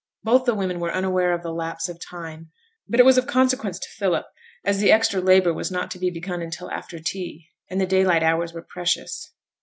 Both the women were unaware of the lapse of time; but it was of consequence to Philip, as the extra labour was not to be begun until after tea, and the daylight hours were precious.